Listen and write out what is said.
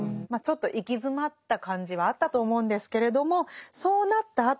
まあちょっと行き詰まった感じはあったと思うんですけれどもそうなった